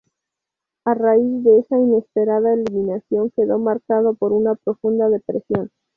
A raíz de esa inesperada eliminación quedó marcado por una profunda depresión.